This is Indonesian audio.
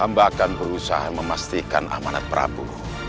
amba akan berusaha memastikan amanat prabu